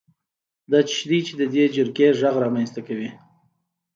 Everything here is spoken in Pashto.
دا څه شی دی چې د دې جرقې غږ رامنځته کوي؟